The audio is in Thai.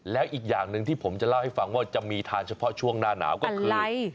แล้วอีกอย่างหนึ่งที่ผมจะเล่าให้ฟังว่าจะมีทานเฉพาะช่วงหน้าหนาวก็คือ